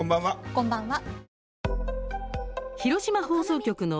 こんばんは。